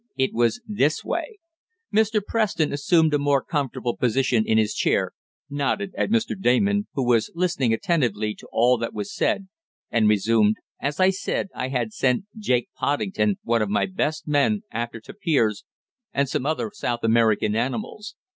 It was this way:" Mr. Preston assumed a more comfortable position in his chair, nodded at Mr. Damon, who was listening attentively to all that was said, and resumed. "As I said I had sent Jake Poddington, one of my best men, after tapirs and some other South American animals.